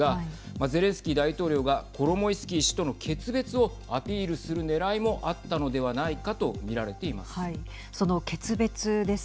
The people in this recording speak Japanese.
ゼレンスキー大統領がコロモイスキー氏との決別をアピールするねらいもあったのではないかと見られています。